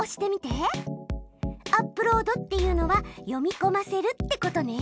「アップロード」っていうのは「読みこませる」ってことね。